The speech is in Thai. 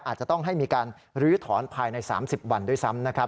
อาจจะต้องให้มีการลื้อถอนภายใน๓๐วันด้วยซ้ำนะครับ